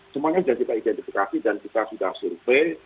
semuanya sudah kita identifikasi dan kita sudah survei